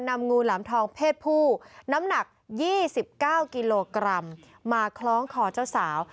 นำงูหลามทองเพศผู้น้ำหนัก๒๙กิโลกรัมมาคล้องคอเจ้าสาว